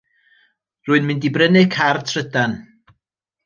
Rwy'n mynd i brynu car trydan.